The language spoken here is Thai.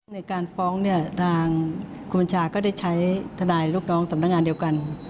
ในการฟ้องเนี่ยทางคุณบัญชาก็ได้ใช้ทนายลูกน้องสำนักงานเดียวกัน